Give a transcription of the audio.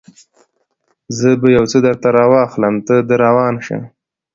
زه به یو څه درته راواخلم، ته در روان شه.